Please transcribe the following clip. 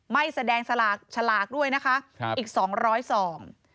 ไม่แสดงสลากฉลากด้วยนะคะอีก๒๐๐ซอง